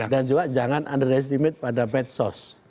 dan juga jangan underestimate pada medsos